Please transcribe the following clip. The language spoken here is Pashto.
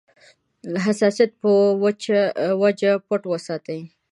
حساسیت په وجه پټ وساتي.